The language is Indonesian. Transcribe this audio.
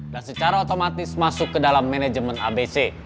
dan secara otomatis masuk ke dalam manajemen abc